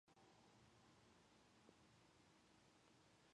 Three crew members had minor injuries, but there were no injuries on the ground.